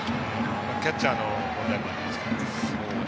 キャッチャーの問題もあるんですけどね。